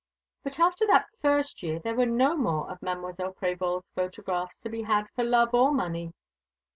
But after that first year there were no more of Mademoiselle Prévol's photographs to be had for love or money.